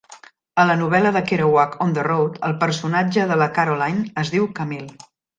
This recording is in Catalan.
A la novel·la de Kerouac "On the Road", el personatge de la Carolyn es diu "Camille".